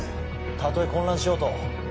たとえ混乱しようと